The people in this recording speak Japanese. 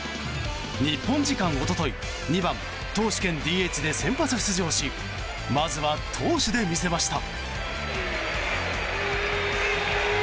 日本時間一昨日２番、投手兼ＤＨで先発出場しまずは投手で見せました。